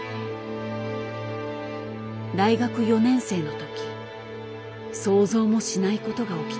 大学４年生の時想像もしないことが起きた。